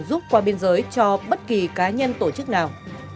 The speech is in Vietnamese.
giúp qua biên giới cho bất kỳ cá nhân tổ chức nào